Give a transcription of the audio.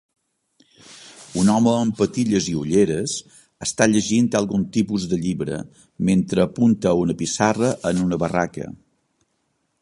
Un home amb patilles i ulleres està llegint algun tipus de llibre mentre apunta a una pissarra en una barraca